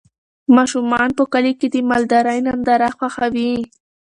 ماشومان په کلي کې د مالدارۍ ننداره خوښوي.